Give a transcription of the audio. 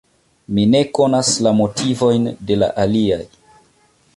Mi ne konas la motivojn de la aliaj.